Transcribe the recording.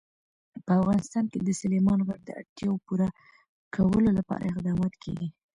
په افغانستان کې د سلیمان غر د اړتیاوو پوره کولو لپاره اقدامات کېږي.